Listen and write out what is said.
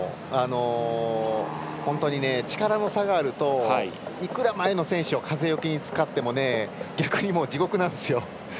本当に力の差があるといくら前の選手を風よけに使っても逆に地獄なんですよ。